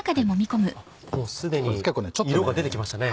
すでに色が出てきましたね。